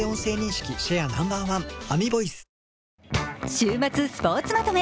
週末スポーツまとめ。